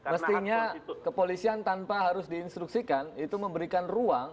mestinya kepolisian tanpa harus diinstruksikan itu memberikan ruang